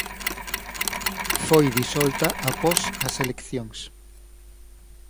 Foi disolta após as eleccións